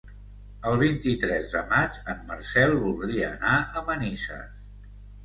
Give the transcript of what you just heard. El vint-i-tres de maig en Marcel voldria anar a Manises.